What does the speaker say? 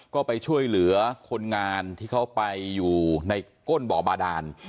ก็ไปช่วยเหลือคนงานที่เขาไปอยู่ในก้นบ่อบาดาน